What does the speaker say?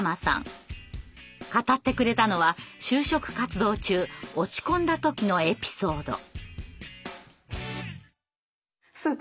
語ってくれたのは就職活動中落ち込んだ時のエピソード。